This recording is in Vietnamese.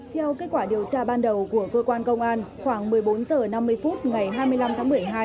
theo kết quả điều tra ban đầu của cơ quan công an khoảng một mươi bốn h năm mươi phút ngày hai mươi năm tháng một mươi hai